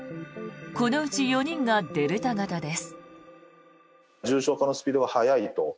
このうち４人がデルタ型です。